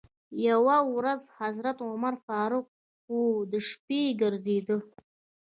یوه ورځ حضرت عمر فاروق و شپې ګرځېده.